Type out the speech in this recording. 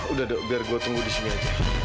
udah dok biar gue tunggu disini aja